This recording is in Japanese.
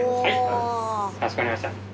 かしこまりました。